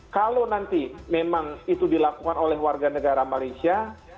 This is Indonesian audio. kalau nanti memang itu dilakukan oleh warga negara malaysia